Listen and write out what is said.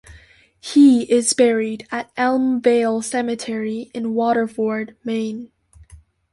He is buried at Elm Vale Cemetery in Waterford, Maine.